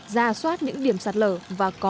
ra soát những điểm sạt lở và có